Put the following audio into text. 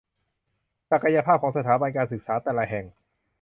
ศักยภาพของสถาบันการศึกษาแต่ละแห่ง